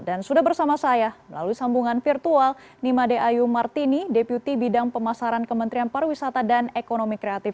dan sudah bersama saya melalui sambungan virtual nima deayu martini deputi bidang pemasaran kementerian pariwisata dan ekonomi kreatif